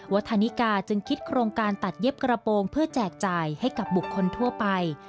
ธานิกาจึงคิดโครงการตัดเย็บกระโปรงเพื่อแจกจ่ายให้กับบุคคลทั่วไป